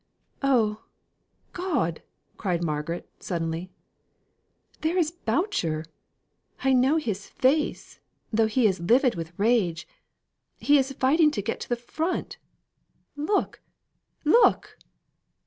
"Oh, God!" cried Margaret, suddenly; "there is Boucher. I know his face, though he is livid with rage, he is fighting to get to the front look! look!"